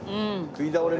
食い倒れ。